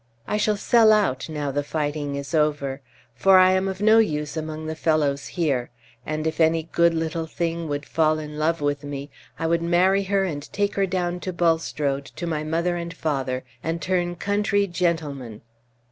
I shall sell out, now the fighting is over, for I am of no use among the fellows here; and, if any good little thing would fall in love with me, I would marry her and take her down to Bulstrode, to my mother and father, and turn country gentleman."